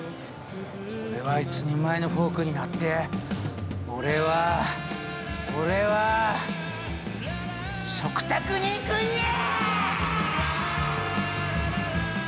俺は一人前のフォークになって俺は俺は食卓に行くんや！